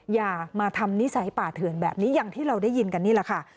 อย่ามาทำนิสัยป่าเถื่อนแบบนี้อย่างที่เราได้ยินกันนี่แหละค่ะ